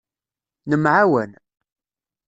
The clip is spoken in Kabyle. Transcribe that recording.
Nemɛawan.